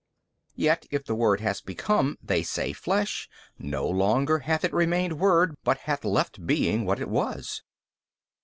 B. Yet if the Word has become (they say) flesh, no longer hath It remained Word but hath left being what It was.